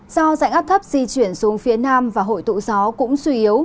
do dạnh áp thấp di chuyển xuống phía nam và hội tụ gió cũng suy yếu